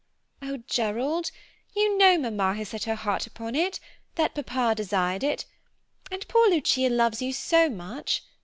"Oh Gerald, you know Mamma has set her heart upon it, that Papa desired it, and poor Lucia loves you so much.